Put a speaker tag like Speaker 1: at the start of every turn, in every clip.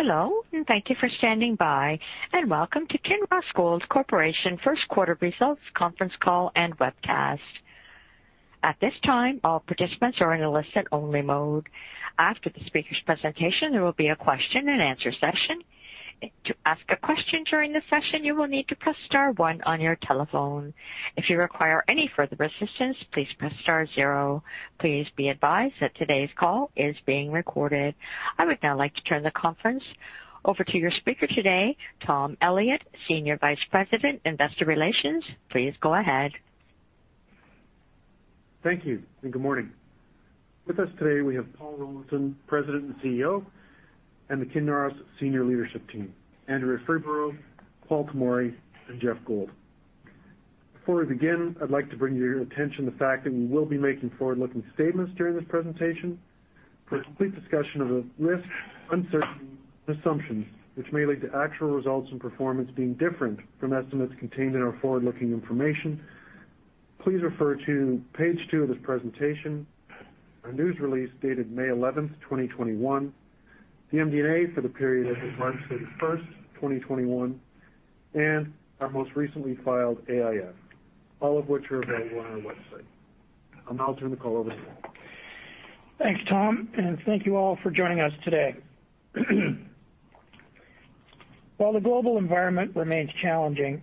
Speaker 1: Hello, and thank you for standing by, and welcome to Kinross Gold Corporation Q1 results conference call and webcast. I would now like to turn the conference over to your speaker today, Tom Elliott, Senior Vice President, Investor Relations. Please go ahead.
Speaker 2: Thank you, and good morning. With us today, we have Paul Rollinson, President and CEO, and the Kinross senior leadership team, Andrea Freeborough, Paul Tomory, and Geoff Gold. Before we begin, I'd like to bring to your attention the fact that we will be making forward-looking statements during this presentation. For a complete discussion of the risks, uncertainties, and assumptions which may lead to actual results and performance being different from estimates contained in our forward-looking information, please refer to page two of this presentation, our news release dated May 11, 2021, the MD&A for the period as of March 31, 2021, and our most recently filed AIF, all of which are available on our website. I'll now turn the call over to Paul.
Speaker 3: Thanks, Tom, and thank you all for joining us today. While the global environment remains challenging,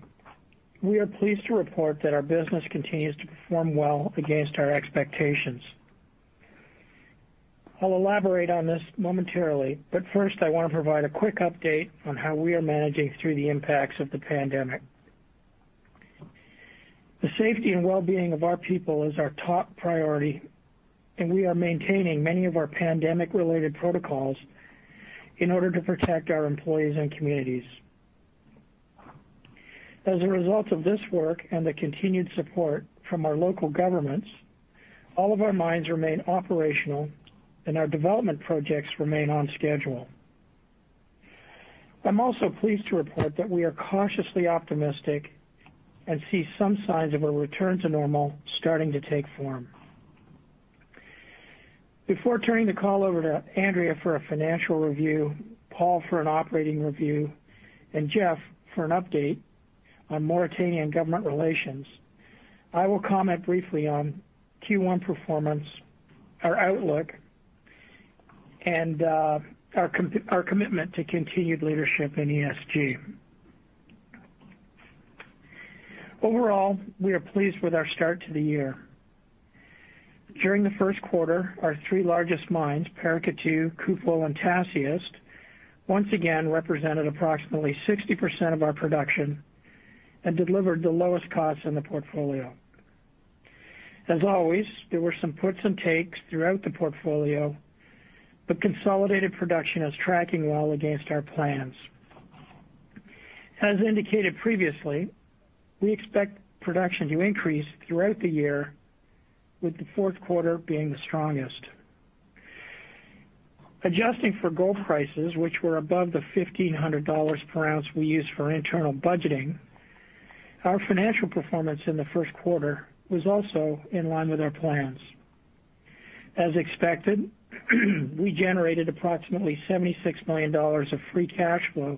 Speaker 3: we are pleased to report that our business continues to perform well against our expectations. I'll elaborate on this momentarily, but first I want to provide a quick update on how we are managing through the impacts of the pandemic. The safety and wellbeing of our people is our top priority, and we are maintaining many of our pandemic-related protocols in order to protect our employees and communities. As a result of this work and the continued support from our local governments, all of our mines remain operational and our development projects remain on schedule. I'm also pleased to report that we are cautiously optimistic and see some signs of a return to normal starting to take form. Before turning the call over to Andrea for a financial review, Paul for an operating review, and Geoff for an update on Mauritania and government relations, I will comment briefly on Q1 performance, our outlook, and our commitment to continued leadership in ESG. Overall, we are pleased with our start to the year. During the Q1, our three largest mines, Paracatu, Kupol, and Tasiast, once again represented approximately 60% of our production and delivered the lowest costs in the portfolio. As always, there were some puts and takes throughout the portfolio, but consolidated production is tracking well against our plans. As indicated previously, we expect production to increase throughout the year, with the fourth quarter being the strongest. Adjusting for gold prices, which were above the $1,500 per ounce we used for internal budgeting, our financial performance in the Q1 was also in line with our plans. As expected, we generated approximately $76 million of free cash flow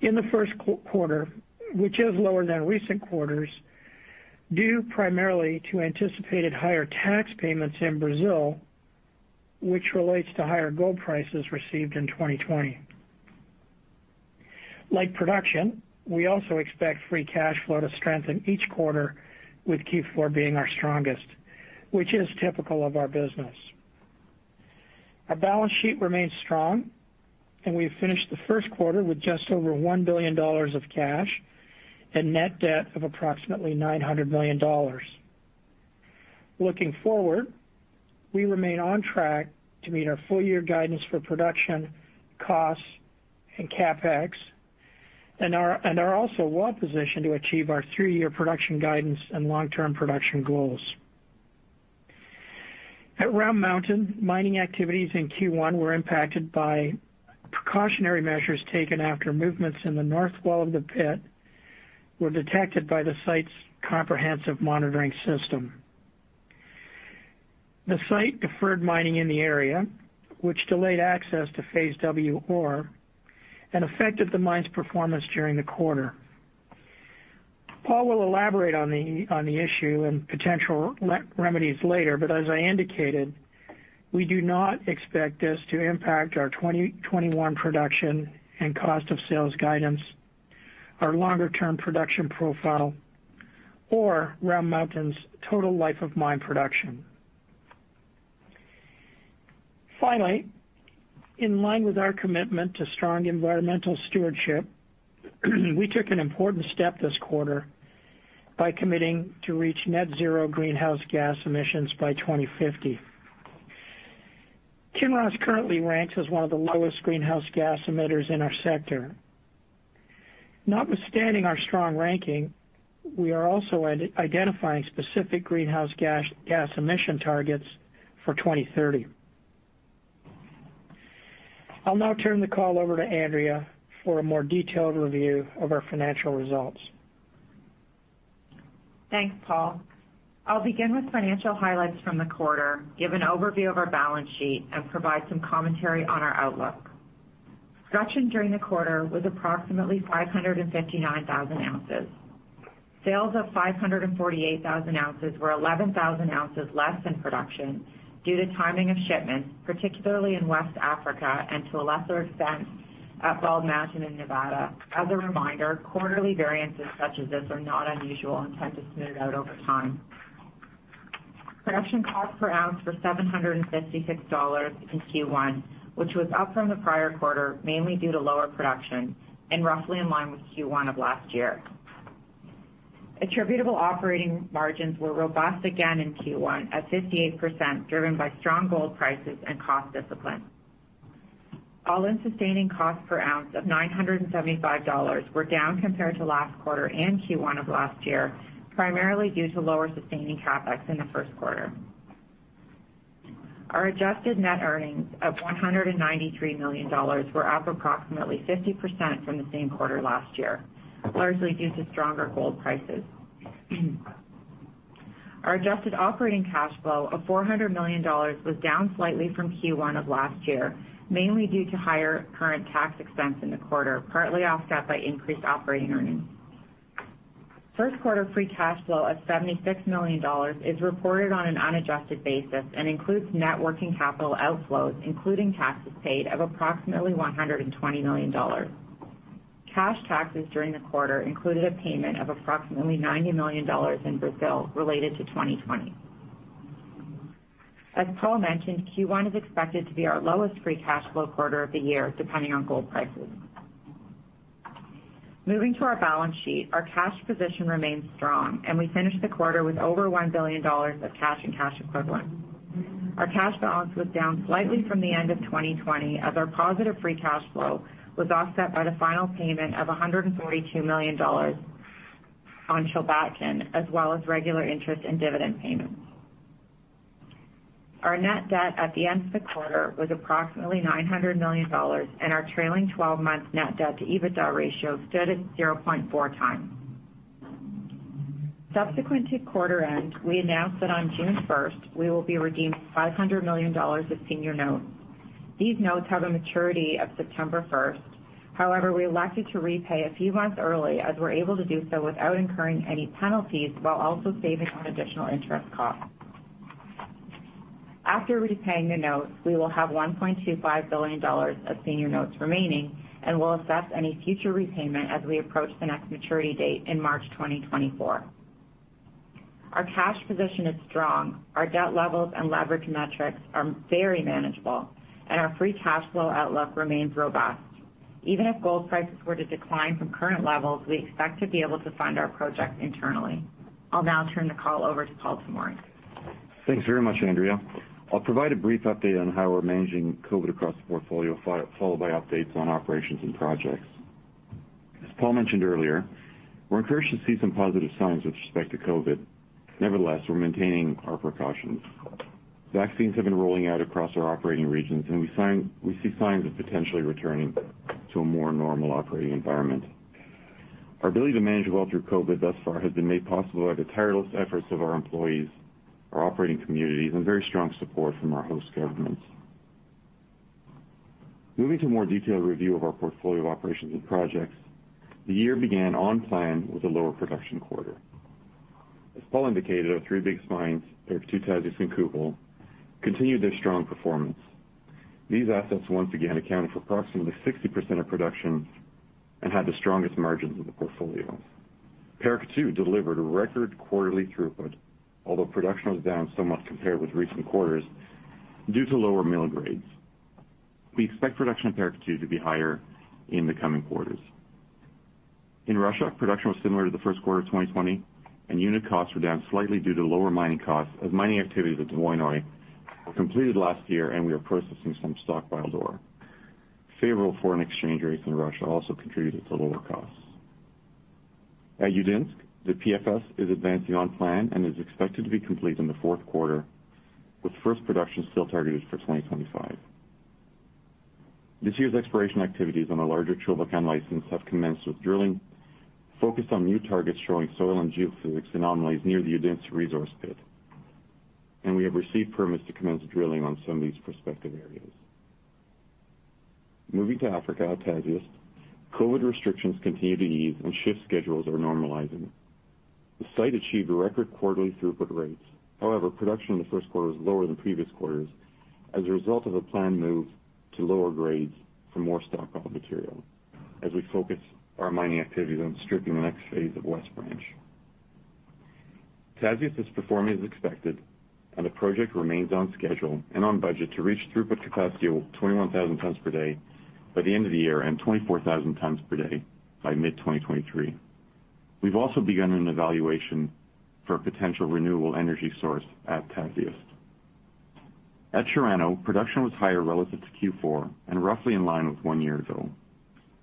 Speaker 3: in the Q1, which is lower than recent quarters, due primarily to anticipated higher tax payments in Brazil, which relates to higher gold prices received in 2020. Like production, we also expect free cash flow to strengthen each quarter, with Q4 being our strongest, which is typical of our business. Our balance sheet remains strong, and we finished the Q1 with just over $1 billion of cash and net debt of approximately $900 million. Looking forward, we remain on track to meet our full year guidance for production, costs, and CapEx, and are also well positioned to achieve our three-year production guidance and long-term production goals. At Round Mountain, mining activities in Q1 were impacted by precautionary measures taken after movements in the north wall of the pit were detected by the site's comprehensive monitoring system. The site deferred mining in the area, which delayed access to Phase W ore and affected the mine's performance during the quarter. Paul will elaborate on the issue and potential remedies later, but as I indicated, we do not expect this to impact our 2021 production and cost of sales guidance, our longer-term production profile, or Round Mountain's total life of mine production. Finally, in line with our commitment to strong environmental stewardship, we took an important step this quarter by committing to reach net zero greenhouse gas emissions by 2050. Kinross currently ranks as one of the lowest greenhouse gas emitters in our sector. Notwithstanding our strong ranking, we are also identifying specific greenhouse gas emission targets for 2030. I'll now turn the call over to Andrea for a more detailed review of our financial results
Speaker 4: Thanks, Paul. I'll begin with financial highlights from the quarter, give an overview of our balance sheet, and provide some commentary on our outlook. Production during the quarter was approximately 559,000 ounces. Sales of 548,000 ounces were 11,000 ounces less than production due to timing of shipments, particularly in West Africa and to a lesser extent at Bald Mountain in Nevada. As a reminder, quarterly variances such as this are not unusual and tend to smooth out over time. Production cost per ounce was $756 in Q1, which was up from the prior quarter, mainly due to lower production and roughly in line with Q1 of last year. Attributable operating margins were robust again in Q1 at 58%, driven by strong gold prices and cost discipline. All-in sustaining cost per ounce of $975 were down compared to last quarter and Q1 of last year, primarily due to lower sustaining CapEx in the Q1. Our adjusted net earnings of $193 million were up approximately 50% from the same quarter last year, largely due to stronger gold prices. Our adjusted operating cash flow of $400 million was down slightly from Q1 of last year, mainly due to higher current tax expense in the quarter, partly offset by increased operating earnings. Q1 free cash flow of $76 million is reported on an unadjusted basis and includes net working capital outflows, including taxes paid of approximately $120 million. Cash taxes during the quarter included a payment of approximately $90 million in Brazil related to 2020. As Paul mentioned, Q1 is expected to be our lowest free cash flow quarter of the year, depending on gold prices. Moving to our balance sheet, our cash position remains strong. We finished the quarter with over $1 billion of cash and cash equivalents. Our cash balance was down slightly from the end of 2020, as our positive free cash flow was offset by the final payment of $142 million on Chulbatkan, as well as regular interest and dividend payments. Our net debt at the end of the quarter was approximately $900 million. Our trailing 12-month net debt to EBITDA ratio stood at 0.4 times. Subsequent to quarter end, we announced that on June 1st, we will be redeeming $500 million of senior notes. These notes have a maturity of September 1st, however, we elected to repay a few months early as we're able to do so without incurring any penalties while also saving on additional interest costs. After repaying the notes, we will have $1.25 billion of senior notes remaining and will assess any future repayment as we approach the next maturity date in March 2024. Our cash position is strong. Our debt levels and leverage metrics are very manageable, and our free cash flow outlook remains robust. Even if gold prices were to decline from current levels, we expect to be able to fund our project internally. I'll now turn the call over to Paul Rollinson.
Speaker 5: Thanks very much, Andrea. I'll provide a brief update on how we're managing COVID across the portfolio, followed by updates on operations and projects. As Paul mentioned earlier, we're encouraged to see some positive signs with respect to COVID. Nevertheless, we're maintaining our precautions. Vaccines have been rolling out across our operating regions, and we see signs of potentially returning to a more normal operating environment. Our ability to manage well through COVID thus far has been made possible by the tireless efforts of our employees, our operating communities, and very strong support from our host governments. Moving to a more detailed review of our portfolio of operations and projects, the year began on plan with a lower production quarter. As Paul indicated, our three big mines, Paracatu, Tasiast, and Kupol, continued their strong performance. These assets once again accounted for approximately 60% of production and had the strongest margins in the portfolio. Paracatu delivered a record quarterly throughput, although production was down somewhat compared with recent quarters due to lower mill grades. We expect production at Paracatu to be higher in the coming quarters. In Russia, production was similar to the Q1 of 2020, and unit costs were down slightly due to lower mining costs, as mining activities at Dvoinoye were completed last year and we are processing some stockpiled ore. Favorable foreign exchange rates in Russia also contributed to lower costs. At Udinsk, the PFS is advancing on plan and is expected to be complete in the fourth quarter, with first production still targeted for 2025. This year's exploration activities on the larger Chulbatkan license have commenced, with drilling focused on new targets showing soil and geophysics anomalies near the Udinsk resource pit, and we have received permits to commence drilling on some of these prospective areas. Moving to Africa, Tasiast. COVID restrictions continue to ease and shift schedules are normalizing. The site achieved record quarterly throughput rates. However, production in the Q1 was lower than previous quarters as a result of a planned move to lower grades for more stockpile material as we focus our mining activities on stripping the next Phase of West Branch. Tasiast is performing as expected, and the project remains on schedule and on budget to reach throughput capacity of 21,000 tons per day by the end of the year and 24,000 tons per day by mid-2023. We've also begun an evaluation for a potential renewable energy source at Tasiast. At Chirano, production was higher relative to Q4 and roughly in line with one year ago.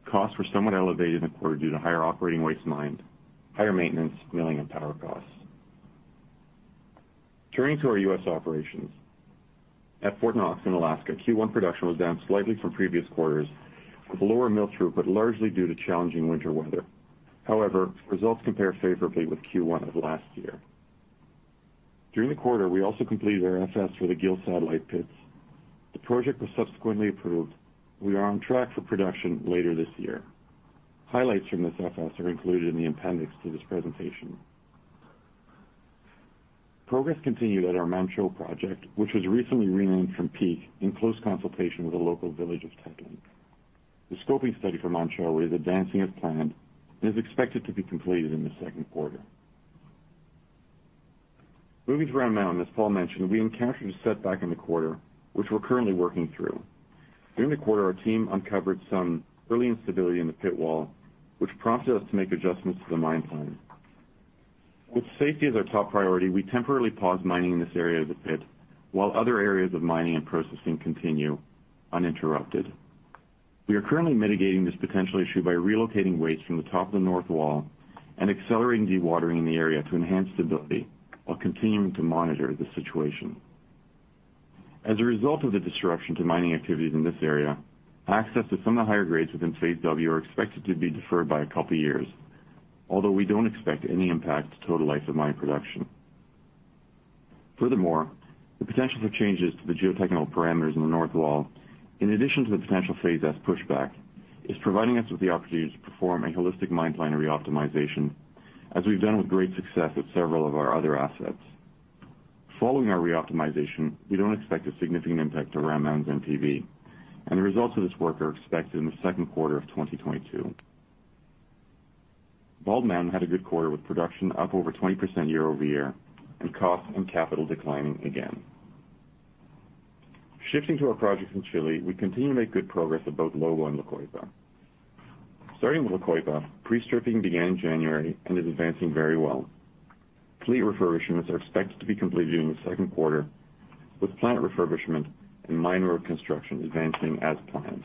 Speaker 5: Costs were somewhat elevated in the quarter due to higher operating waste mined, higher maintenance, milling, and power costs. Turning to our U.S. operations. At Fort Knox in Alaska, Q1 production was down slightly from previous quarters with lower mill through, but largely due to challenging winter weather. However, results compare favorably with Q1 of last year. During the quarter, we also completed our FS for the Gill satellite pits. The project was subsequently approved. We are on track for production later this year. Highlights from this FS are included in the appendix to this presentation. Progress continued at our Manh Choh project, which was recently renamed from Peak, in close consultation with the local village of Tetlin. The scoping study for Manh Choh is advancing as planned and is expected to be completed in the Q2. Moving to Round Mountain, as Paul mentioned, we encountered a setback in the quarter, which we're currently working through. During the quarter, our team uncovered some early instability in the pit wall, which prompted us to make adjustments to the mine plan. With safety as our top priority, we temporarily paused mining in this area of the pit, while other areas of mining and processing continue uninterrupted. We are currently mitigating this potential issue by relocating waste from the top of the north wall and accelerating dewatering in the area to enhance stability, while continuing to monitor the situation. As a result of the disruption to mining activities in this area, access to some of the higher grades within Phase W are expected to be deferred by a couple of years, although we don't expect any impact to total life of mine production. Furthermore, the potential for changes to the geotechnical parameters in the north wall, in addition to the potential Phase S pushback, is providing us with the opportunity to perform a holistic mine plan re-optimization, as we've done with great success at several of our other assets. Following our re-optimization, we don't expect a significant impact to Round Mountain's NPV, and the results of this work are expected in the Q2 of 2022. Bald Mountain had a good quarter with production up over 20% year-over-year and cost and capital declining again. Shifting to our projects in Chile, we continue to make good progress at both Lobo and La Coipa. Starting with La Coipa, pre-stripping began in January and is advancing very well. Fleet refurbishments are expected to be completed in the Q2, with plant refurbishment and mine ore construction advancing as planned.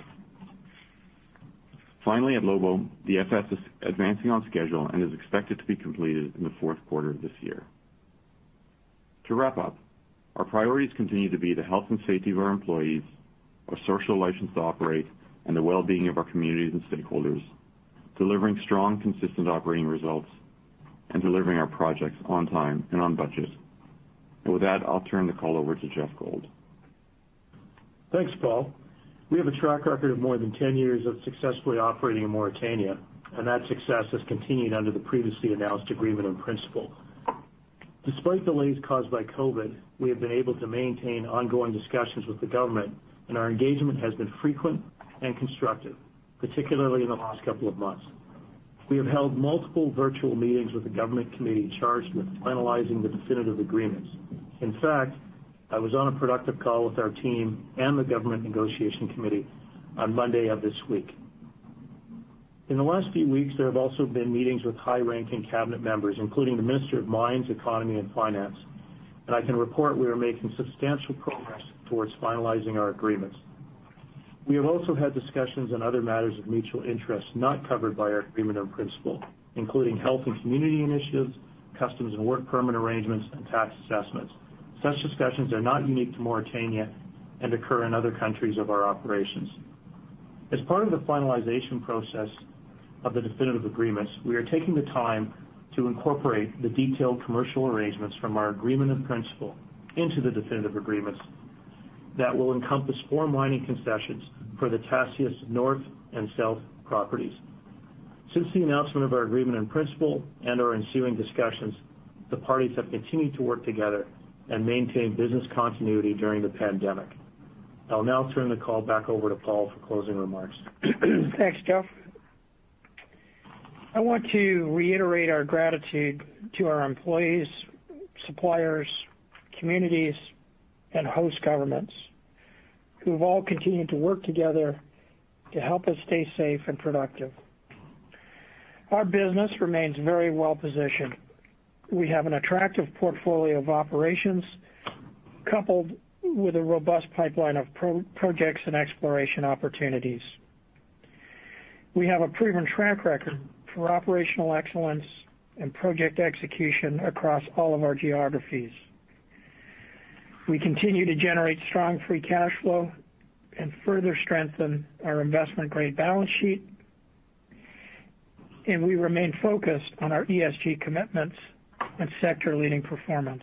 Speaker 5: Finally, at Lobo, the FS is advancing on schedule and is expected to be completed in the fourth quarter of this year. To wrap up, our priorities continue to be the health and safety of our employees, our social license to operate, and the well-being of our communities and stakeholders, delivering strong, consistent operating results and delivering our projects on time and on budget. With that, I'll turn the call over to Geoff Gold.
Speaker 6: Thanks, Paul. We have a track record of more than 10 years of successfully operating in Mauritania, and that success has continued under the previously announced agreement in principle. Despite delays caused by COVID, we have been able to maintain ongoing discussions with the government, and our engagement has been frequent and constructive, particularly in the last couple of months. We have held multiple virtual meetings with the government committee charged with finalizing the definitive agreements. In fact, I was on a productive call with our team and the government negotiation committee on Monday of this week. In the last few weeks, there have also been meetings with high-ranking cabinet members, including the Minister of Mines, Economy and Finance, and I can report we are making substantial progress towards finalizing our agreements. We have also had discussions on other matters of mutual interest not covered by our agreement in principle, including health and community initiatives, customs and work permit arrangements, and tax assessments. Such discussions are not unique to Mauritania and occur in other countries of our operations. As part of the finalization process of the definitive agreements, we are taking the time to incorporate the detailed commercial arrangements from our agreement in principle into the definitive agreements that will encompass four mining concessions for the Tasiast north and south properties. Since the announcement of our agreement in principle and our ensuing discussions, the parties have continued to work together and maintain business continuity during the pandemic. I'll now turn the call back over to Paul for closing remarks.
Speaker 3: Thanks, Geoff. I want to reiterate our gratitude to our employees, suppliers, communities, and host governments who have all continued to work together to help us stay safe and productive. Our business remains very well positioned. We have an attractive portfolio of operations coupled with a robust pipeline of projects and exploration opportunities. We have a proven track record for operational excellence and project execution across all of our geographies. We continue to generate strong free cash flow and further strengthen our investment-grade balance sheet, and we remain focused on our ESG commitments and sector-leading performance.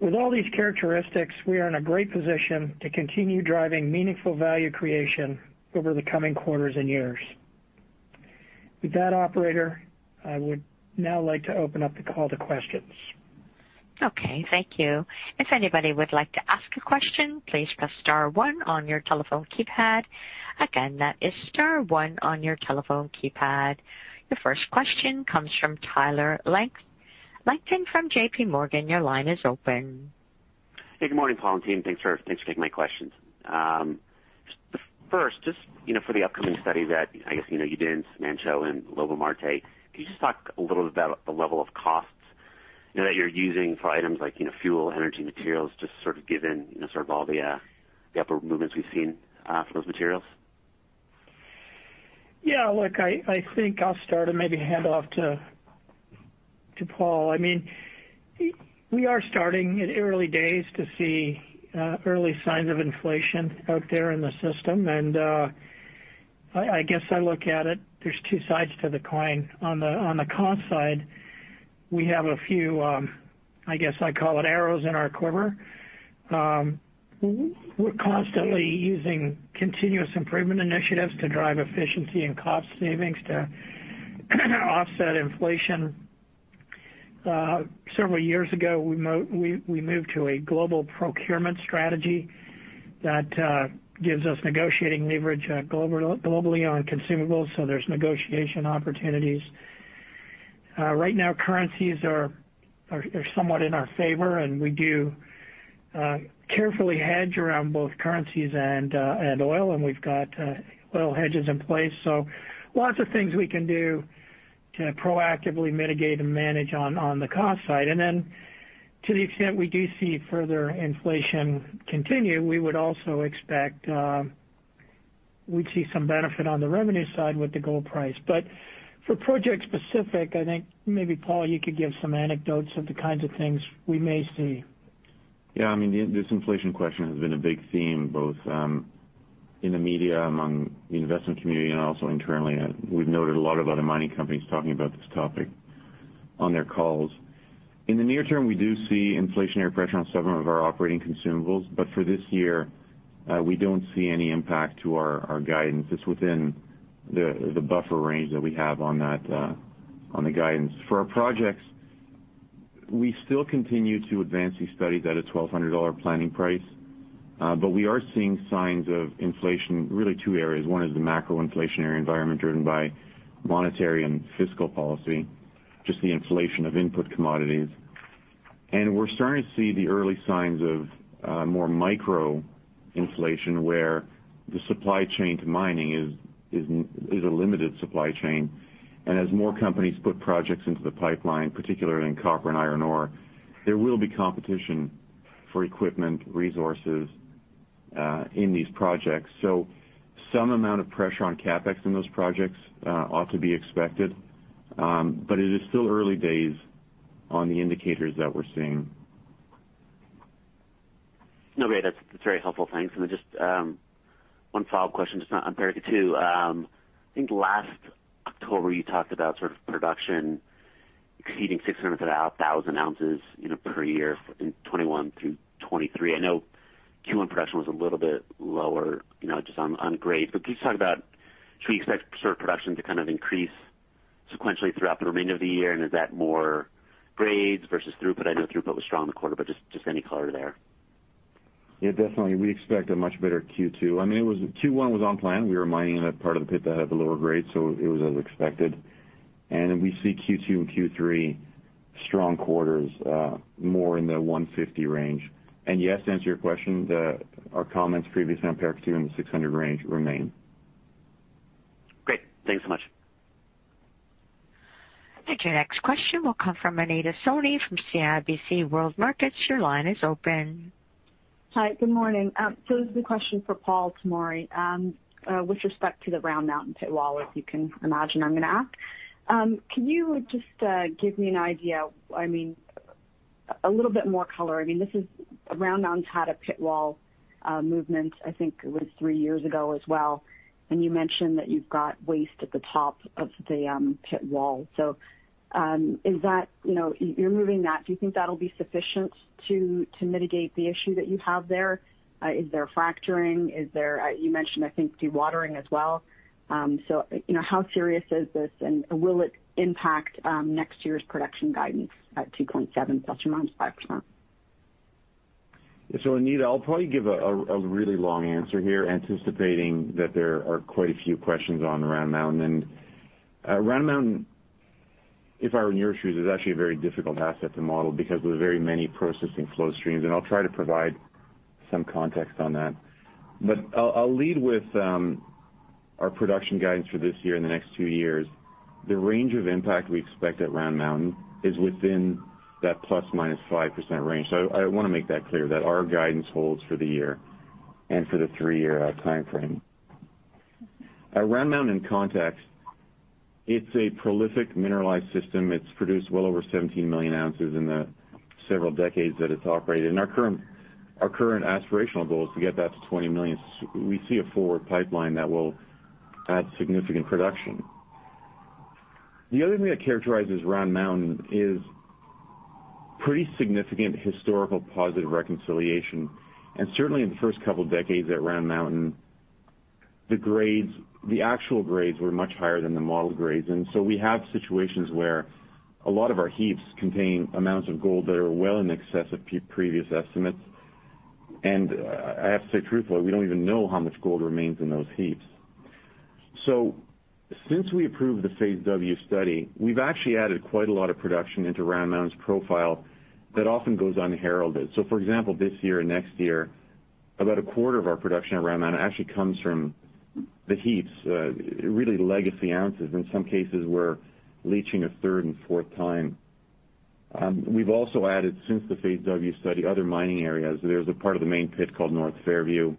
Speaker 3: With all these characteristics, we are in a great position to continue driving meaningful value creation over the coming quarters and years. With that, operator, I would now like to open up the call to questions.
Speaker 1: Okay. Thank you. If anybody would like to ask a question, please press star one on your telephone keypad. Again, that is star one on your telephone keypad. The first question comes from Tyler Langton from JPMorgan. Your line is open.
Speaker 7: Good morning, Paul and team. Thanks for taking my questions. First, just for the upcoming study that I guess you did in Manh Choh and Lobo-Marte, could you just talk a little bit about the level of costs that you're using for items like fuel, energy materials, just sort of given all the upper movements we've seen for those materials?
Speaker 3: Yeah. Look, I think I'll start and maybe hand off to Paul. We are starting in early days to see early signs of inflation out there in the system. I guess I look at it, there's two sides to the coin. On the cost side, we have a few, I guess I call it arrows in our quiver. We're constantly using continuous improvement initiatives to drive efficiency and cost savings to offset inflation. Several years ago, we moved to a global procurement strategy that gives us negotiating leverage globally on consumables, so there's negotiation opportunities. Right now, currencies are somewhat in our favor, and we do carefully hedge around both currencies and oil, and we've got oil hedges in place. Lots of things we can do to proactively mitigate and manage on the cost side. Then to the extent we do see further inflation continue, we would also expect we'd see some benefit on the revenue side with the gold price. For project specific, I think maybe, Paul, you could give some anecdotes of the kinds of things we may see.
Speaker 5: Yeah. This inflation question has been a big theme, both in the media, among the investment community, and also internally. We've noted a lot of other mining companies talking about this topic on their calls. In the near term, we do see inflationary pressure on several of our operating consumables. For this year, we don't see any impact to our guidance. It's within the buffer range that we have on the guidance. For our projects, we still continue to advance these studies at a $1,200 planning price. We are seeing signs of inflation, really two areas. One is the macro inflationary environment driven by monetary and fiscal policy, just the inflation of input commodities. We're starting to see the early signs of more micro inflation, where the supply chain to mining is a limited supply chain. As more companies put projects into the pipeline, particularly in copper and iron ore, there will be competition for equipment resources, in these projects. Some amount of pressure on CapEx in those projects ought to be expected. It is still early days on the indicators that we're seeing.
Speaker 7: No, great. That's very helpful. Thanks. Just one follow-up question, just on Paracatu. I think last October, you talked about sort of production exceeding 600,000 ounces per year in 2021 through 2023. I know Q1 production was a little bit lower just on grades. Can you just talk about, should we expect sort of production to kind of increase sequentially throughout the remainder of the year, and is that more grades versus throughput? I know throughput was strong in the quarter, but just any color there.
Speaker 5: Yeah, definitely. We expect a much better Q2. Q1 was on plan. We were mining a part of the pit that had the lower grade, so it was as expected. We see Q2 and Q3 strong quarters, more in the 150 range. Yes, to answer your question, our comments previously on Paracatu in the $600 range remain.
Speaker 7: Great. Thanks so much.
Speaker 1: Thank you. Next question will come from Anita Soni from CIBC World Markets. Your line is open.
Speaker 8: Hi, good morning. This is a question for Paul Tomory. With respect to the Round Mountain pit wall, as you can imagine I'm going to ask. Can you just give me an idea, a little bit more color? Round Mountain's had a pit wall movement, I think it was three years ago as well, and you mentioned that you've got waste at the top of the pit wall. You're moving that, do you think that'll be sufficient to mitigate the issue that you have there? Is there fracturing? You mentioned, I think, dewatering as well. How serious is this, and will it impact next year's production guidance at 2.7 ±5%?
Speaker 5: Yeah. Anita, I'll probably give a really long answer here, anticipating that there are quite a few questions on Round Mountain. Round Mountain, if I were in your shoes, is actually a very difficult asset to model because there are very many processing flow streams, and I'll try to provide some context on that. I'll lead with our production guidance for this year and the next two years. The range of impact we expect at Round Mountain is within that plus/minus 5% range. I want to make that clear, that our guidance holds for the year and for the three-year timeframe. Round Mountain context, it's a prolific mineralized system. It's produced well over 17 million ounces in the several decades that it's operated, and our current aspirational goal is to get that to 20 million. We see a forward pipeline that will add significant production. The other thing that characterizes Round Mountain is pretty significant historical positive reconciliation. Certainly in the first couple of decades at Round Mountain, the actual grades were much higher than the model grades. We have situations where a lot of our heaps contain amounts of gold that are well in excess of previous estimates. I have to say truthfully, we don't even know how much gold remains in those heaps. Since we approved the Phase W study, we've actually added quite a lot of production into Round Mountain's profile that often goes unheralded. For example, this year and next year, about a quarter of our production at Round Mountain actually comes from the heaps, really legacy ounces in some cases we're leaching a third and fourth time. We've also added, since the Phase W study, other mining areas. There's a part of the main pit called North Fairview,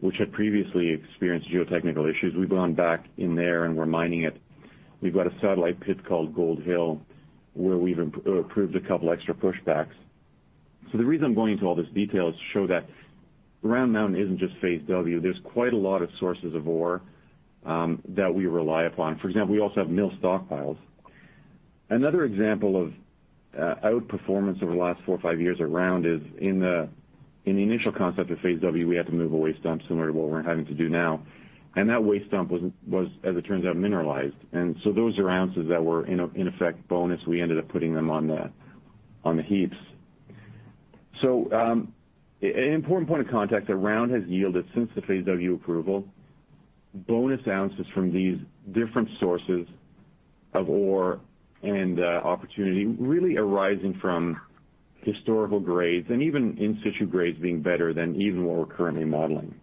Speaker 5: which had previously experienced geotechnical issues. We've gone back in there, and we're mining it. We've got a satellite pit called Gold Hill, where we've approved a couple extra pushbacks. The reason I'm going into all this detail is to show that Round Mountain isn't just Phase W. There's quite a lot of sources of ore that we rely upon. For example, we also have mill stockpiles. Another example of outperformance over the last four or five years at Round is, in the initial concept of Phase W, we had to move a waste dump similar to what we're having to do now. That waste dump was, as it turns out, mineralized. Those are ounces that were, in effect, bonus. We ended up putting them on the heaps. An important point of contact at Round has yielded, since the Phase W approval, bonus ounces from these different sources of ore and opportunity really arising from historical grades and even in situ grades being better than even what we're currently modeling.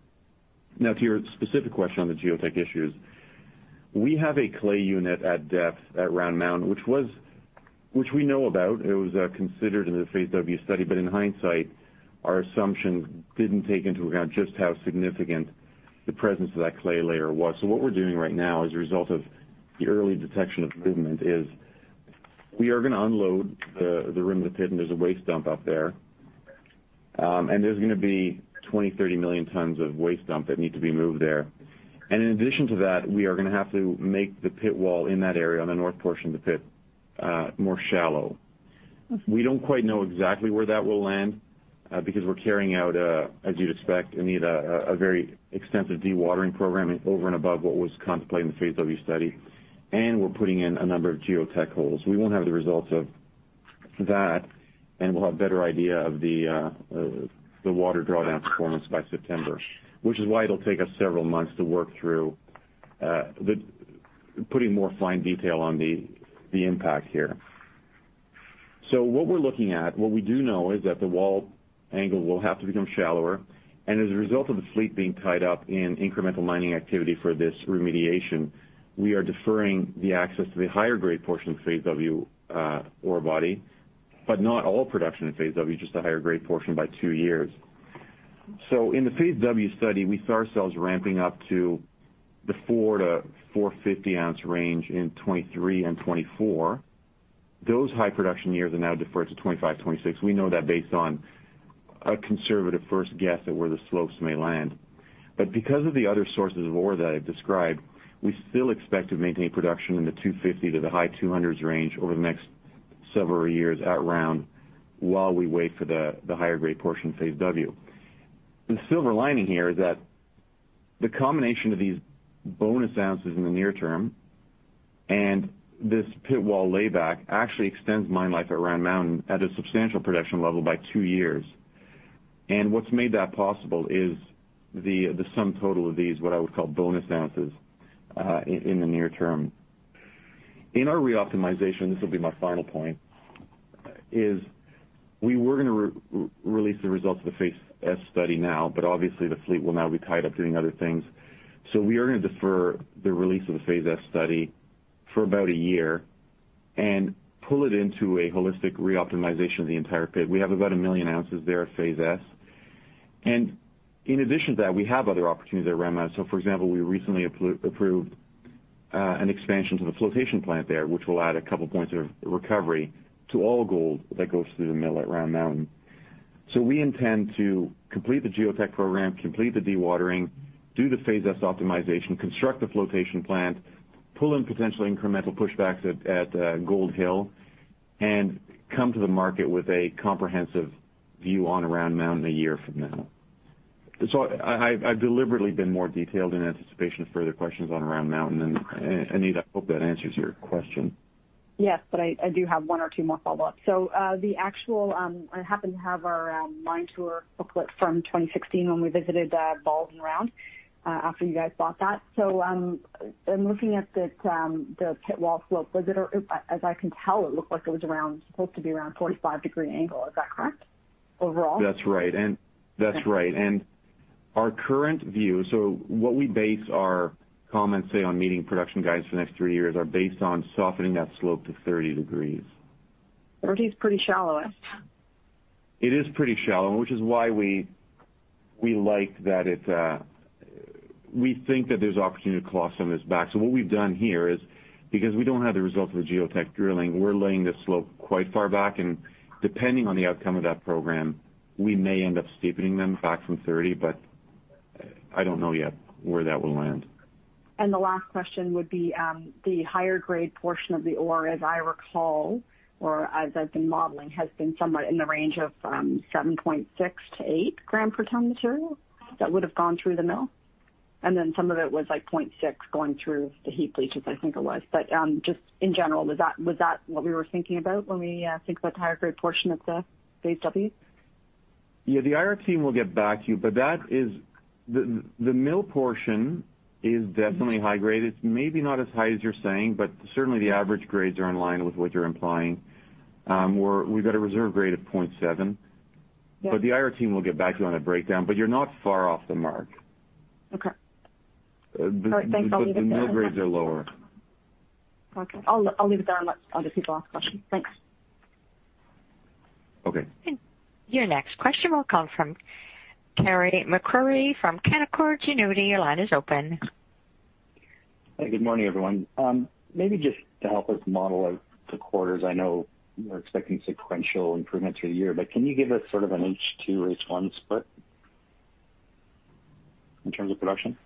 Speaker 5: Now, to your specific question on the geotech issues, we have a clay unit at depth at Round Mountain, which we know about. It was considered in the Phase W study, but in hindsight, our assumption didn't take into account just how significant the presence of that clay layer was. What we're doing right now, as a result of the early detection of movement, is we are going to unload the rim of the pit, and there's a waste dump up there, and there's going to be 20, 30 million tons of waste dump that need to be moved there. In addition to that, we are going to have to make the pit wall in that area, on the north portion of the pit, more shallow. We don't quite know exactly where that will land because we're carrying out, as you'd expect, Anita, a very extensive dewatering program over and above what was contemplated in the Phase W study, and we're putting in a number of geotech holes. We won't have the results of that, and we'll have a better idea of the water drawdown performance by September, which is why it'll take us several months to work through putting more fine detail on the impact here. What we're looking at, what we do know is that the wall angle will have to become shallower, and as a result of the fleet being tied up in incremental mining activity for this remediation, we are deferring the access to the higher-grade portion of Phase W ore body, but not all production in Phase W, just the higher-grade portion, by two years. In the Phase W study, we saw ourselves ramping up to the four to 450 ounce range in 2023 and 2024. Those high production years are now deferred to 2025, 2026. We know that based on a conservative first guess at where the slopes may land. Because of the other sources of ore that I've described, we still expect to maintain production in the 250 to the high 200s range over the next several years at Round while we wait for the higher grade portion of Phase W. The silver lining here is that the combination of these bonus ounces in the near term and this pit wall layback actually extends mine life at Round Mountain at a substantial production level by two years. What's made that possible is the sum total of these, what I would call bonus ounces, in the near term. In our re-optimization, this will be my final point, is we were going to release the results of the Phase S study now, but obviously, the fleet will now be tied up doing other things. We are going to defer the release of the Phase S study for about a year and pull it into a holistic re-optimization of the entire pit. We have about 1 million ounces there at Phase S. In addition to that, we have other opportunities at Round Mountain. For example, we recently approved an expansion to the flotation plant there, which will add a couple of points of recovery to all gold that goes through the mill at Round Mountain. We intend to complete the geotech program, complete the dewatering, do the Phase S optimization, construct the flotation plant, pull in potential incremental pushbacks at Gold Hill, and come to the market with a comprehensive view on Round Mountain a year from now. I've deliberately been more detailed in anticipation of further questions on Round Mountain, Anita, I hope that answers your question.
Speaker 8: I do have one or two more follow-ups. I happen to have our mine tour booklet from 2016 when we visited Bald and Round, after you guys bought that. I'm looking at the pit wall slope. As I can tell, it looked like it was supposed to be around a 45-degree angle. Is that correct overall?
Speaker 5: That's right. Our current view, what we base our comments on meeting production guides for the next three years, are based on softening that slope to 30 degrees.
Speaker 8: 30 is pretty shallow.
Speaker 5: It is pretty shallow, which is why we think that there's opportunity to claw some of this back. What we've done here is, because we don't have the results of the geotech drilling, we're laying the slope quite far back, and depending on the outcome of that program, we may end up steepening them back from 30, but I don't know yet where that will land.
Speaker 8: The last question would be, the higher grade portion of the ore, as I recall, or as I've been modeling, has been somewhere in the range of 7.6 to 8 gram per ton material that would have gone through the mill, and then some of it was like 0.6 going through the heap leaches, I think it was. Just in general, was that what we were thinking about when we think about the higher grade portion of the Phase W?
Speaker 5: Yeah. The IR team will get back to you, but the mill portion is definitely high grade. It's maybe not as high as you're saying, but certainly the average grades are in line with what you're implying, where we've got a reserve grade of 0.7.
Speaker 8: Yeah.
Speaker 5: The IR team will get back to you on a breakdown, but you're not far off the mark.
Speaker 8: Okay. Thanks. I'll leave it there. The mill grades are lower. Okay. I'll leave it there and let other people ask questions. Thanks.
Speaker 5: Okay.
Speaker 1: Your next question will come from Carey MacRury from Canaccord Genuity. Your line is open.
Speaker 9: Good morning, everyone. Maybe just to help us model out the quarters, I know you're expecting sequential improvements for the year, but can you give us sort of an H2 H1 split in terms of production?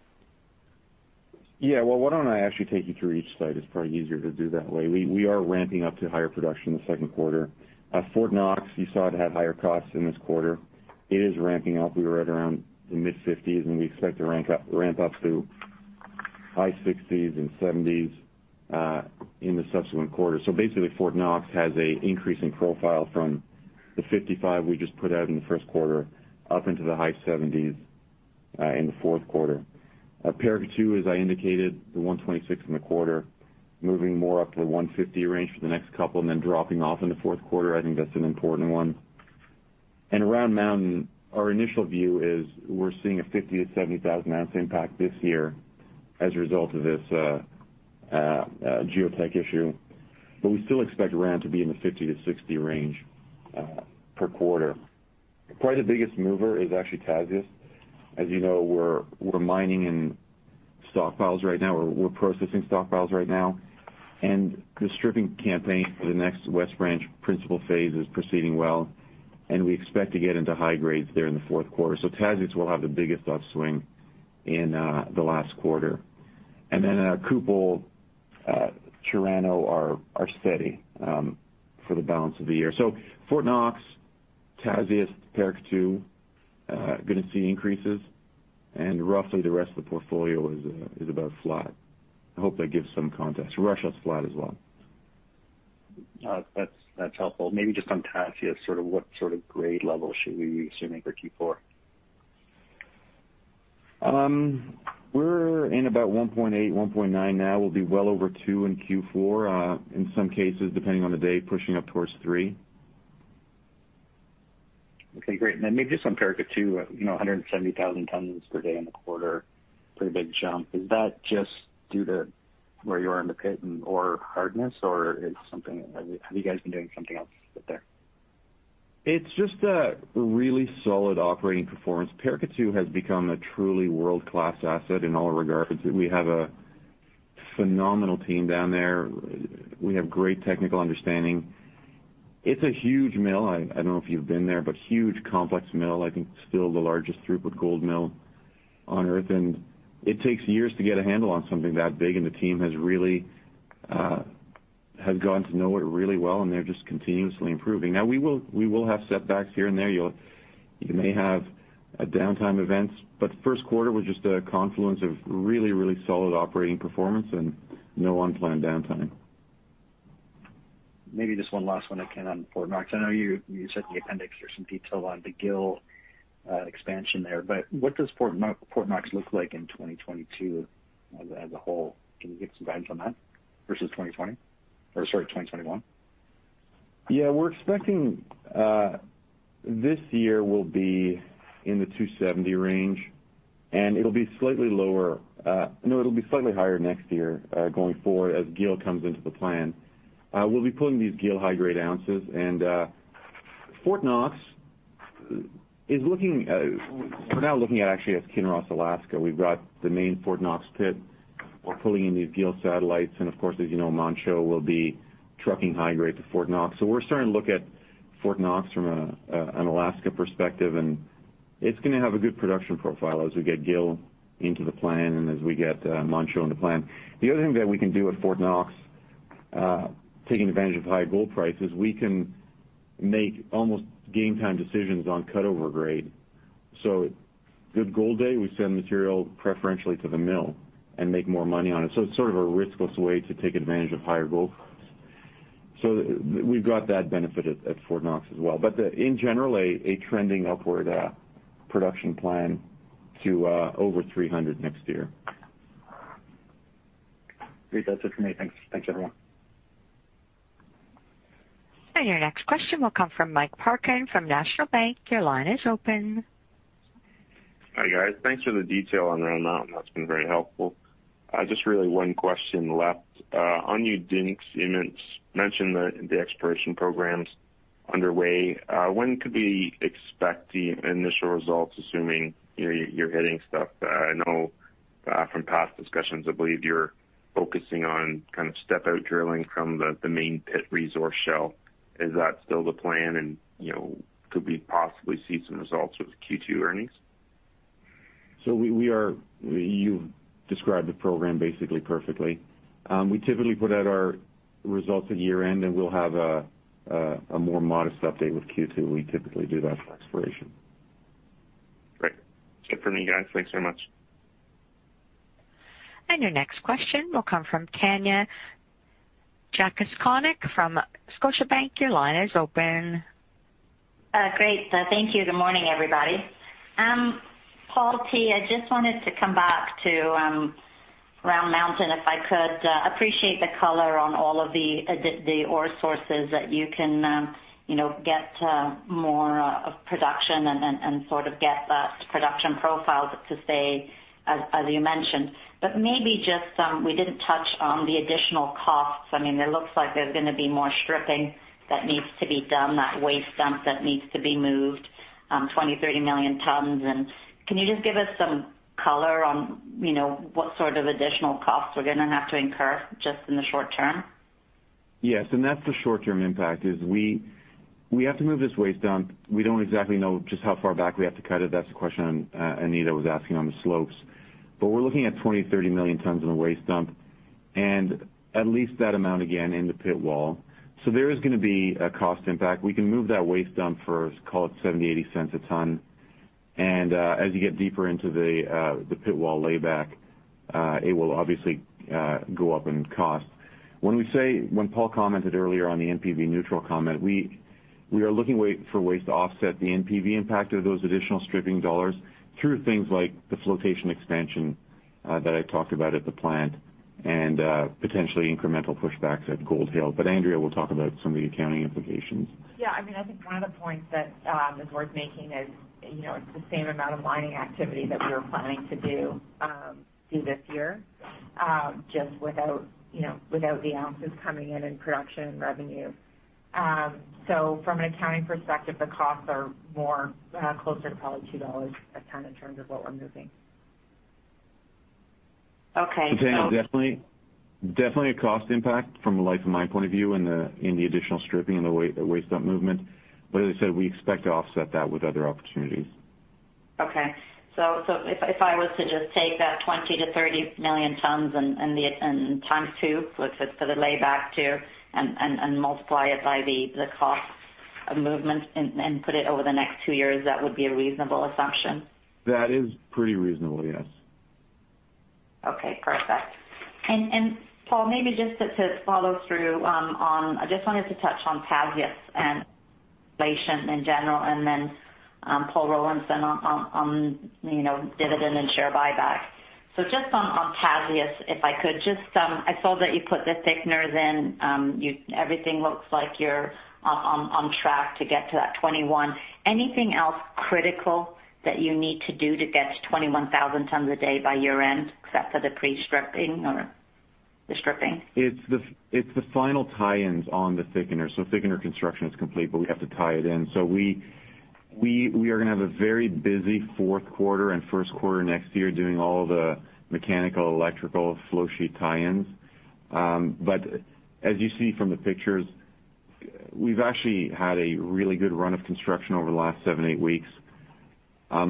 Speaker 5: Well, why don't I actually take you through each site? It's probably easier to do that way. We are ramping up to higher production in the Q2. At Fort Knox, you saw it had higher costs in this quarter. It is ramping up. We were at around the mid-50s, and we expect to ramp up to high 60s and 70s, in the subsequent quarter. Basically, Fort Knox has an increasing profile from the 55 we just put out in the Q1 up into the high 70s, in the fourth quarter. At Paracatu, as I indicated, the 126 in the quarter, moving more up to the 150 range for the next couple, and then dropping off in the fourth quarter. I think that's an important one. Round Mountain, our initial view is we're seeing a 50,000-70,000 ounce impact this year as a result of this geotech issue. We still expect Round to be in the 50-60 range, per quarter. Probably the biggest mover is actually Tasiast. As you know, we're mining in stockpiles right now. We're processing stockpiles right now. The stripping campaign for the next West Branch principal phase is proceeding well, and we expect to get into high grades there in the fourth quarter. Tasiast will have the biggest upswing in the last quarter. At Kupol, Chirano are steady for the balance of the year. Fort Knox, Tasiast, Paracatu are going to see increases, and roughly the rest of the portfolio is about flat. I hope that gives some context. Russia's flat as well.
Speaker 9: That's helpful. Maybe just on Tasiast, what sort of grade level should we assume for Q4?
Speaker 5: We're in about 1.8, 1.9 now. We'll be well over 2 in Q4. In some cases, depending on the day, pushing up towards 3.
Speaker 9: Okay, great. Maybe just on Paracatu, 170,000 tons per day in the quarter, pretty big jump. Is that just due to where you are in the pit or hardness, or have you guys been doing something else there?
Speaker 5: It's just a really solid operating performance. Paracatu has become a truly world-class asset in all regards. We have a phenomenal team down there. We have great technical understanding. It's a huge mill. I don't know if you've been there, but huge, complex mill. I think still the largest throughput gold mill on Earth, and it takes years to get a handle on something that big, and the team has really gotten to know it really well, and they're just continuously improving. Now, we will have setbacks here and there. You may have downtime events, but the Q1 was just a confluence of really solid operating performance and no unplanned downtime.
Speaker 9: Just one last one, again, on Fort Knox. I know you said the appendix, there's some detail on the Gill expansion there, what does Fort Knox look like in 2022 as a whole? Can we get some guidance on that versus 2020? Sorry, 2021?
Speaker 5: Yeah, we're expecting this year will be in the 270 range, and it'll be slightly higher next year, going forward as Gill comes into the plan. We'll be pulling these Gill high-grade ounces, and Fort Knox, we're now looking at actually as Kinross Alaska. We've got the main Fort Knox pit. We're pulling in these Gill satellites, and of course, as you know, Manh Choh will be trucking high grade to Fort Knox. We're starting to look at Fort Knox from an Alaska perspective, and it's going to have a good production profile as we get Gill into the plan and as we get Manh Choh in the plan. The other thing that we can do at Fort Knox, taking advantage of high gold prices, we can make almost game time decisions on cutover grade. Good gold day, we send material preferentially to the mill and make more money on it. It's sort of a riskless way to take advantage of higher gold prices. We've got that benefit at Fort Knox as well. In general, a trending upward production plan to over 300 next year.
Speaker 9: Great. That's it for me. Thanks. Thanks, everyone.
Speaker 1: Your next question will come from Mike Parkin from National Bank. Your line is open.
Speaker 10: Hi, guys. Thanks for the detail on Round Mountain. That's been very helpful. Just really one question left. On Udinsk, you mentioned the exploration programs underway. When could we expect the initial results, assuming you're hitting stuff? I know from past discussions, I believe you're focusing on kind of step-out drilling from the main pit resource shell. Is that still the plan and could we possibly see some results with Q2 earnings?
Speaker 5: You've described the program basically perfectly. We typically put out our results at year-end, and we'll have a more modest update with Q2. We typically do that for exploration.
Speaker 10: Great. That's it for me, guys. Thanks very much.
Speaker 1: Your next question will come from Tanya Jakusconek from Scotiabank. Your line is open.
Speaker 11: Great. Thank you. Good morning, everybody. Paul T., I just wanted to come back to Round Mountain, if I could, appreciate the color on all of the ore sources that you can get more of production and sort of get the production profiles to stay as you mentioned. We didn't touch on the additional costs. It looks like there's going to be more stripping that needs to be done, that waste dump that needs to be moved 20 million-30 million tons. Can you just give us some color on what sort of additional costs we're going to have to incur just in the short term?
Speaker 5: Yes. That's the short-term impact, is we have to move this waste dump. We don't exactly know just how far back we have to cut it. That's the question Anita was asking on the slopes. We're looking at 20 million-30 million tons in the waste dump and at least that amount again in the pit wall. There is going to be a cost impact. We can move that waste dump for, let's call it $0.70-$0.80 a ton. As you get deeper into the pit wall layback, it will obviously go up in cost. When Paul commented earlier on the NPV neutral comment, we are looking for ways to offset the NPV impact of those additional stripping dollars through things like the flotation expansion that I talked about at the plant and potentially incremental pushbacks at Gold Hill. Andrea will talk about some of the accounting implications.
Speaker 4: Yeah. I think one of the points that is worth making is, it's the same amount of mining activity that we were planning to do this year, just without the ounces coming in and production revenue. From an accounting perspective, the costs are more closer to probably $2 a ton in terms of what we're moving.
Speaker 11: Okay, so-
Speaker 5: Tanya, definitely a cost impact from a life and mine point of view in the additional stripping and the waste dump movement. As I said, we expect to offset that with other opportunities.
Speaker 11: Okay. If I was to just take that 20 million-30 million tons and times two, for the layback too, and multiply it by the cost of movement and put it over the next two years, that would be a reasonable assumption?
Speaker 5: That is pretty reasonable, yes.
Speaker 11: Okay, perfect. Paul, maybe just to follow through, I just wanted to touch on Paracatu and inflation in general, and then, Paul Rollinson on dividend and share buyback. Just on Paracatu, I saw that you put the thickeners in. Everything looks like you're on track to get to that 21. Anything else critical that you need to do to get to 21,000 tons a day by year-end, except for the pre-stripping or the stripping?
Speaker 5: It's the final tie-ins on the thickener. Thickener construction is complete, but we have to tie it in. We are going to have a very busy fourth quarter and Q1 next year doing all the mechanical electrical flowsheet tie-ins. As you see from the pictures, we've actually had a really good run of construction over the last seven, eight weeks. I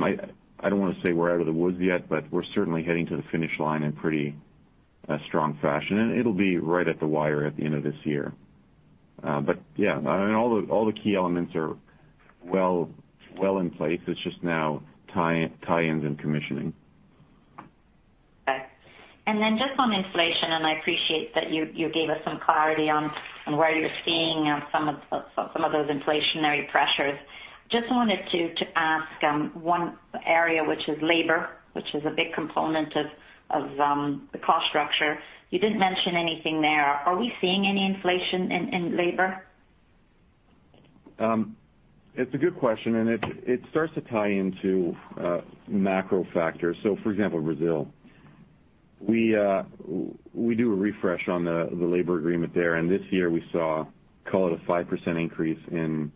Speaker 5: don't want to say we're out of the woods yet, but we're certainly heading to the finish line in pretty strong fashion, and it'll be right at the wire at the end of this year. Yeah, all the key elements are well in place. It's just now tie-ins and commissioning.
Speaker 11: Okay. Just on inflation, and I appreciate that you gave us some clarity on where you're seeing some of those inflationary pressures. Just wanted to ask one area, which is labor, which is a big component of the cost structure. You didn't mention anything there. Are we seeing any inflation in labor?
Speaker 5: It's a good question, and it starts to tie into macro factors. For example, Brazil. We do a refresh on the labor agreement there, and this year we saw, call it a 5% increase in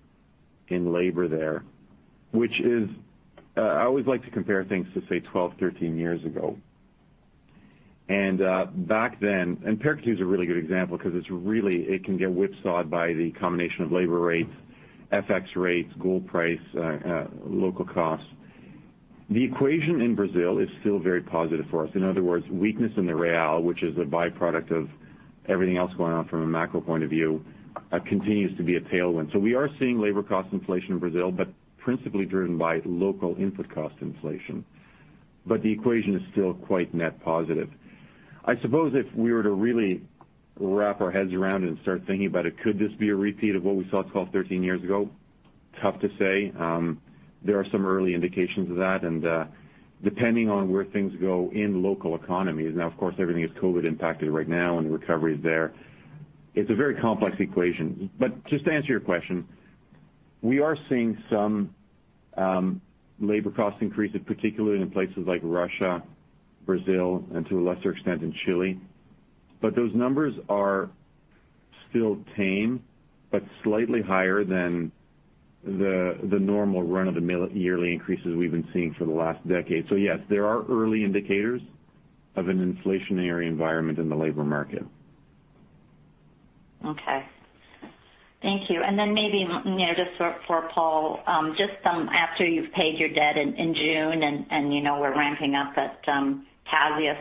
Speaker 5: labor there, which is I always like to compare things to, say, 12, 13 years ago. Back then, and Paracatu's a really good example because it can get whipsawed by the combination of labor rates, FX rates, gold price, local costs. The equation in Brazil is still very positive for us. In other words, weakness in the real, which is a byproduct of everything else going on from a macro point of view, continues to be a tailwind. We are seeing labor cost inflation in Brazil, but principally driven by local input cost inflation. The equation is still quite net positive. I suppose if we were to really wrap our heads around it and start thinking about it, could this be a repeat of what we saw 12, 13 years ago? Tough to say. There are some early indications of that, and, depending on where things go in local economies, now, of course, everything is COVID impacted right now and the recovery there, it's a very complex equation. Just to answer your question, we are seeing some labor cost increases, particularly in places like Russia, Brazil, and to a lesser extent in Chile. Those numbers are still tame, but slightly higher than the normal run-of-the-mill yearly increases we've been seeing for the last decade. Yes, there are early indicators of an inflationary environment in the labor market.
Speaker 11: Okay. Thank you. Maybe, just for Paul, just after you've paid your debt in June and we're ramping up at Paracatu,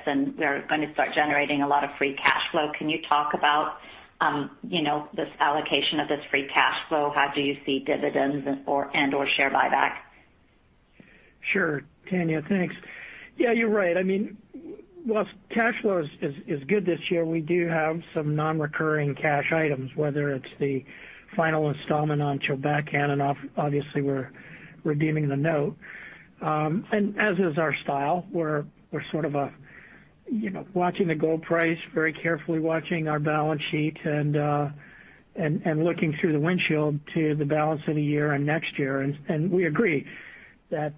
Speaker 11: and we're going to start generating a lot of free cash flow, can you talk about this allocation of this free cash flow? How do you see dividends and/or share buyback?
Speaker 3: Sure. Tanya, thanks. Yeah, you're right. Whilst cash flow is good this year, we do have some non-recurring cash items, whether it's the final installment on Chulbatkan, obviously we're redeeming the note. As is our style, we're sort of watching the gold price very carefully, watching our balance sheet, and looking through the windshield to the balance of the year and next year. We agree that,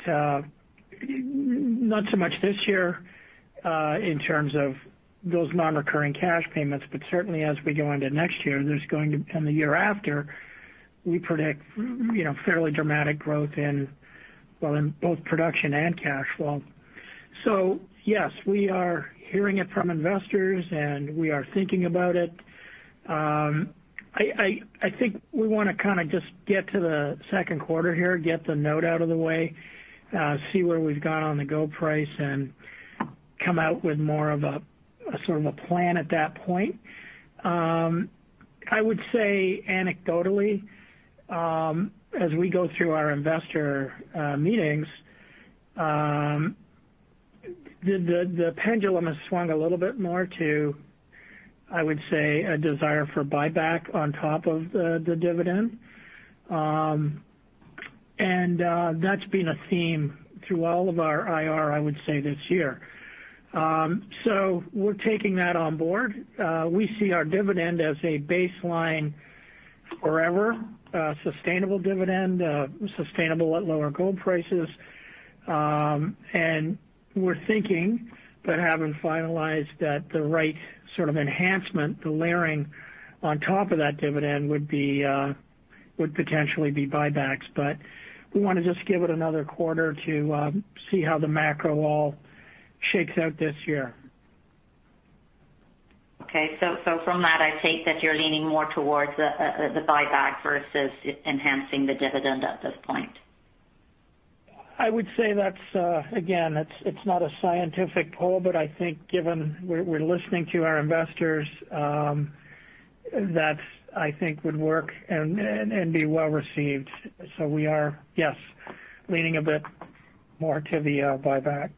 Speaker 3: not so much this year in terms of those non-recurring cash payments, but certainly as we go into next year, and the year after, we predict fairly dramatic growth in both production and cash flow. Yes, we are hearing it from investors, and we are thinking about it. I think we want to just get to the Q2 here, get the note out of the way, see where we've gone on the gold price, and come out with more of a plan at that point. I would say anecdotally, as we go through our investor meetings, the pendulum has swung a little bit more to, I would say, a desire for buyback on top of the dividend. That's been a theme through all of our IR, I would say, this year. We're taking that on board. We see our dividend as a baseline forever, a sustainable dividend, sustainable at lower gold prices. We're thinking, but haven't finalized, that the right sort of enhancement, the layering on top of that dividend would potentially be buybacks. We want to just give it another quarter to see how the macro all shakes out this year.
Speaker 11: Okay. From that, I take that you're leaning more towards the buyback versus enhancing the dividend at this point.
Speaker 3: I would say, again, it's not a scientific poll, but I think given we're listening to our investors, that I think would work and be well-received. We are, yes, leaning a bit more to the buyback.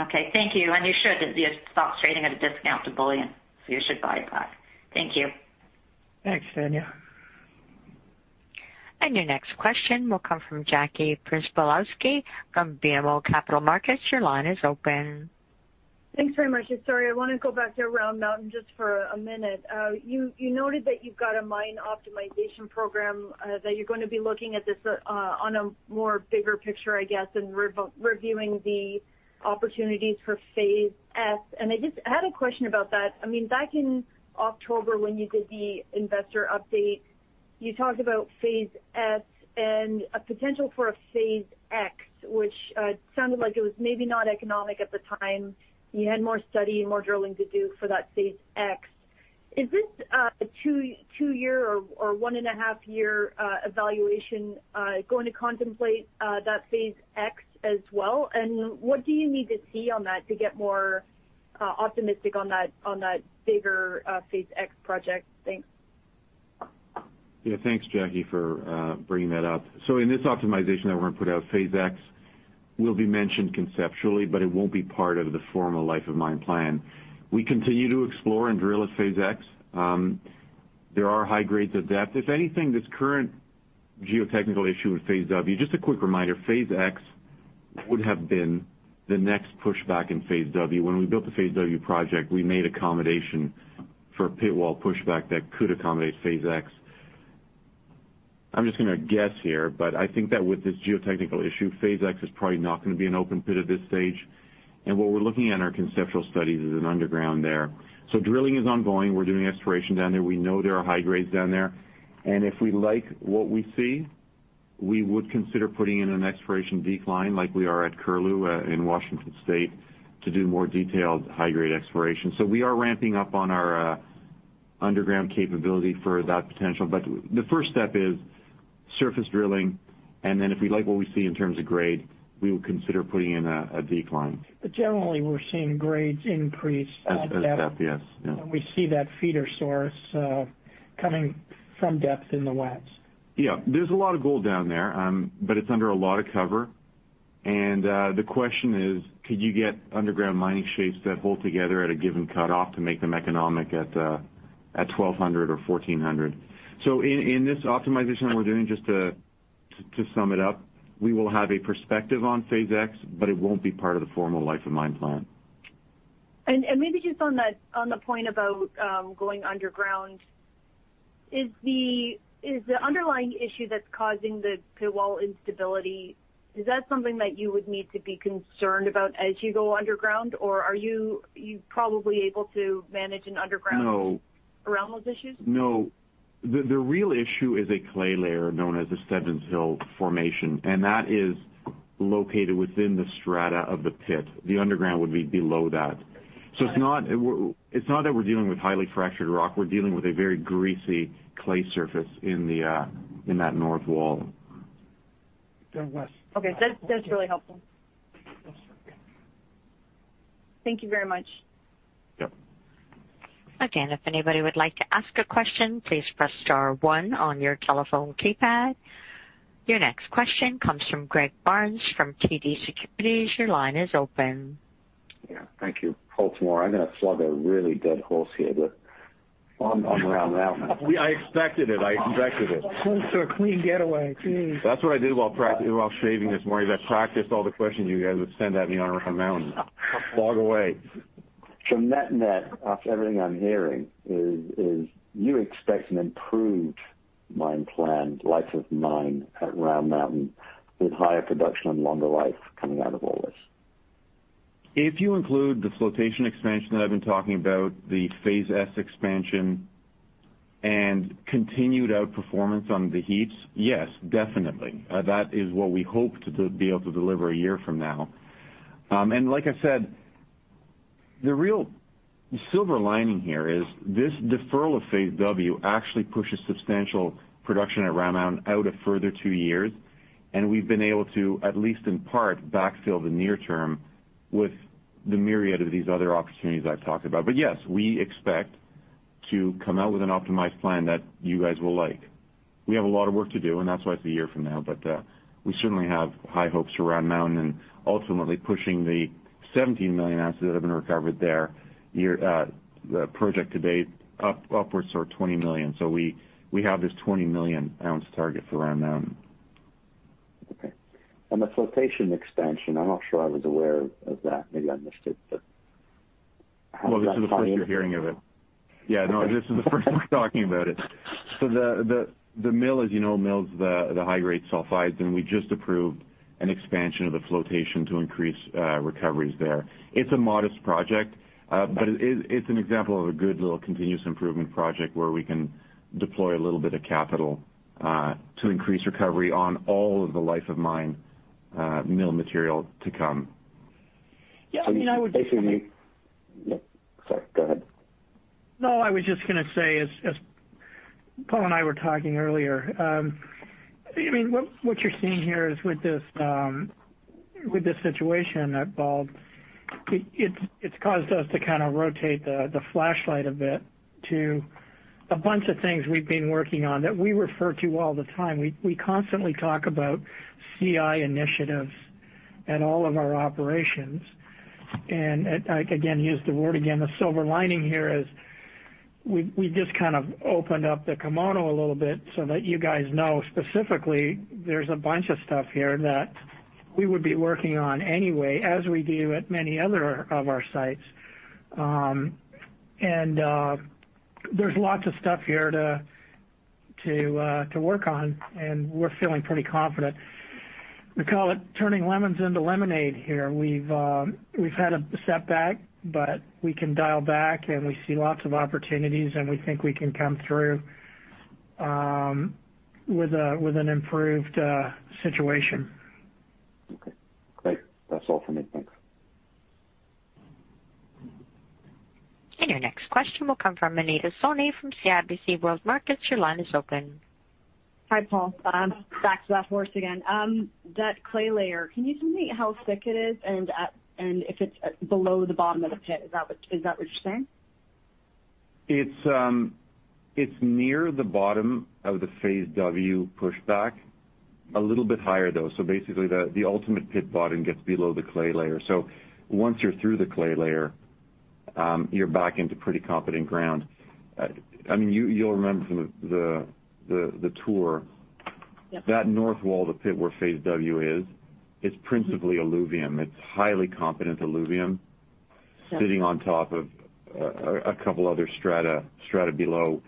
Speaker 11: Okay. Thank you. You should. The stock's trading at a discount to bullion, so you should buy it back. Thank you.
Speaker 3: Thanks, Tanya Jakusconek.
Speaker 1: Your next question will come from Jackie Przybylowski from BMO Capital Markets. Your line is open.
Speaker 12: Thanks very much. Sorry, I want to go back to Round Mountain just for a minute. You noted that you've got a Mine Optimization Program, that you're going to be looking at this on a more bigger picture, I guess, and reviewing the opportunities for Phase S. I just had a question about that. Back in October, when you did the investor update, you talked about Phase S and a potential for a Phase X, which sounded like it was maybe not economic at the time. You had more study and more drilling to do for that Phase X. Is this a two-year or one and a half year evaluation going to contemplate that Phase X as well? What do you need to see on that to get more optimistic on that bigger Phase X project? Thanks.
Speaker 5: Yes. Thanks, Jackie, for bringing that up. In this optimization that we're going to put out, Phase X will be mentioned conceptually, but it won't be part of the formal life of mine plan. We continue to explore and drill at Phase X. There are high grades of depth. If anything, this current geotechnical issue with Phase W, just a quick reminder, Phase X would have been the next pushback in Phase W. When we built the Phase W project, we made accommodation for a pit wall pushback that could accommodate Phase X. I'm just going to guess here, but I think that with this geotechnical issue, Phase X is probably not going to be an open pit at this stage. What we're looking at in our conceptual studies is an underground there. Drilling is ongoing. We're doing exploration down there. We know there are high grades down there. If we like what we see, we would consider putting in an exploration decline, like we are at Curlew in Washington State, to do more detailed high-grade exploration. We are ramping up on our underground capability for that potential. The first step is surface drilling, and then if we like what we see in terms of grade, we will consider putting in a decline.
Speaker 3: Generally, we're seeing grades increase at depth.
Speaker 5: At depth, yes.
Speaker 3: We see that feeder source coming from depth in the west.
Speaker 5: Yes. There's a lot of gold down there, but it's under a lot of cover. The question is, could you get underground mining shapes that hold together at a given cutoff to make them economic at $1,200 or $1,400? In this optimization we're doing, just to sum it up, we will have a perspective on Phase X, but it won't be part of the formal life of mine plan.
Speaker 12: Maybe just on the point about going underground, is the underlying issue that's causing the pit wall instability, is that something that you would need to be concerned about as you go underground, or are you probably able to manage?
Speaker 5: No.
Speaker 12: around those issues?
Speaker 5: No. The real issue is a clay layer known as the Stebbis Hill Formation, and that is located within the strata of the pit. The underground would be below that. It's not that we're dealing with highly fractured rock. We're dealing with a very greasy clay surface in that north wall.
Speaker 3: Down west.
Speaker 12: Okay. That's really helpful.
Speaker 3: That's right, yes.
Speaker 12: Thank you very much.
Speaker 5: Yes.
Speaker 1: Your next question comes from Greg Barnes from TD Securities. Your line is open.
Speaker 13: Yes. Thank you. BMO. I'm going to flog a really dead horse here. On Round Mountain.
Speaker 5: I expected it.
Speaker 3: Closer clean getaway, please.
Speaker 5: That's what I did while shaving this morning, is I practiced all the questions you guys would send at me on Round Mountain. Log away.
Speaker 13: Net, after everything I'm hearing is, you expect an improved mine plan, life of mine at Round Mountain with higher production and longer life coming out of all this?
Speaker 5: If you include the flotation expansion that I've been talking about, the Phase S expansion and continued outperformance on the heaps, yes, definitely. That is what we hope to be able to deliver a year from now. Like I said, the real silver lining here is this deferral of Phase W actually pushes substantial production at Round Mountain out a further two years, and we've been able to, at least in part, backfill the near term with the myriad of these other opportunities I've talked about. Yes, we expect to come out with an optimized plan that you guys will like. We have a lot of work to do, and that's why it's a year from now, but we certainly have high hopes for Round Mountain and ultimately pushing the 17 million ounces that have been recovered there, the project to date, upwards to 20 million. We have this 20 million ounce target for Round Mountain.
Speaker 13: Okay. On the flotation expansion, I'm not sure I was aware of that. Maybe I missed it.
Speaker 5: This is the first you're hearing of it. Yeah, no, this is the first I'm talking about it. The mill, as you know, mills the high-grade sulfides, and we just approved an expansion of the flotation to increase recoveries there. It's a modest project, but it's an example of a good little continuous improvement project where we can deploy a little bit of capital to increase recovery on all of the life of mine mill material to come.
Speaker 3: Yeah.
Speaker 13: Basically, sorry, go ahead.
Speaker 3: No, I was just going to say, as Paul and I were talking earlier, what you're seeing here is with this situation at Bald Mountain, it's caused us to kind of rotate the flashlight a bit to a bunch of things we've been working on that we refer to all the time. We constantly talk about CI initiatives at all of our operations. I use the word again, the silver lining here is we just kind of opened up the kimono a little bit so that you guys know specifically there's a bunch of stuff here that we would be working on anyway, as we do at many other of our sites. There's lots of stuff here to work on, and we're feeling pretty confident. We call it turning lemons into lemonade here. We've had a setback, but we can dial back, and we see lots of opportunities, and we think we can come through with an improved situation.
Speaker 13: Okay, great. That's all for me. Thanks.
Speaker 1: Your next question will come from Anita Soni from CIBC World Markets.
Speaker 8: Hi, Paul. Back to that horse again. That clay layer, can you tell me how thick it is and if it's below the bottom of the pit? Is that what you're saying?
Speaker 5: It's near the bottom of the Phase W pushback, a little bit higher though. Basically, the ultimate pit bottom gets below the clay layer. Once you're through the clay layer, you're back into pretty competent ground. You'll remember from the tour.
Speaker 8: Yep.
Speaker 5: That north wall of the pit where Phase W is, it’s principally alluvium. It’s highly competent alluvium sitting on top of a couple other strata below,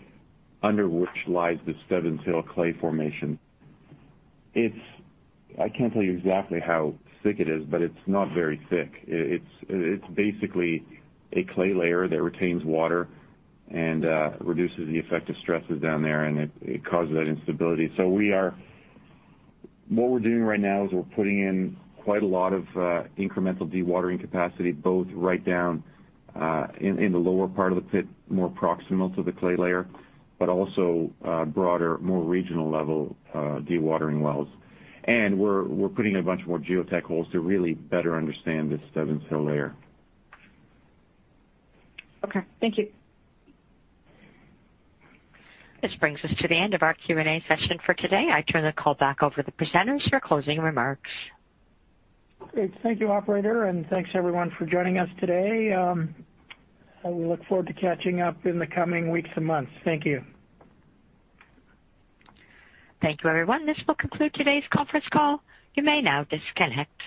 Speaker 5: under which lies the Stevinson clay formation. I can’t tell you exactly how thick it is, but it’s not very thick. It’s basically a clay layer that retains water and reduces the effect of stresses down there, and it causes that instability. What we’re doing right now is we’re putting in quite a lot of incremental dewatering capacity, both right down in the lower part of the pit, more proximal to the clay layer, but also broader, more regional level dewatering wells. We’re putting in a bunch more geotech holes to really better understand this Stevinson layer.
Speaker 8: Okay. Thank you.
Speaker 1: This brings us to the end of our Q&A session for today. I turn the call back over the presenters for closing remarks.
Speaker 3: Great. Thank you, operator, and thanks everyone for joining us today. I look forward to catching up in the coming weeks and months. Thank you.
Speaker 1: Thank you, everyone. This will conclude today's conference call. You may now disconnect.